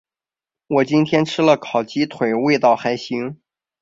我今天吃了烤鸡腿，味道还行。